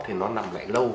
thì nó nằm lại lâu